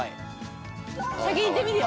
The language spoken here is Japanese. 先にいってみるよ。